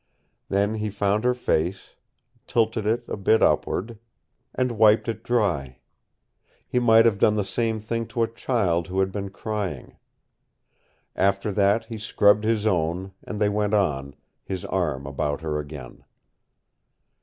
Then he found her face, tilted it a bit upward, and wiped it dry. He might have done the same thing to a child who had been crying. After that he scrubbed his own, and they went on, his arm about her again.